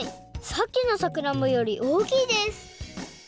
さっきのさくらんぼよりおおきいです